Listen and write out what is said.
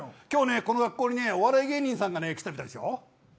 この学校にお笑い芸人さんが来たみたいですよ。